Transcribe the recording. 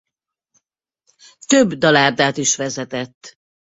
Több dalárdát is vezetett.